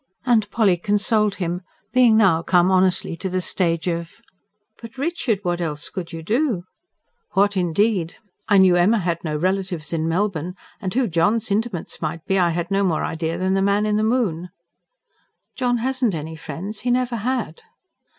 And Polly consoled him, being now come honestly to the stage of: "But, Richard, what else could you do?" "What, indeed! I knew Emma had no relatives in Melbourne, and who John's intimates might be I had no more idea than the man in the moon." "John hasn't any friends. He never had."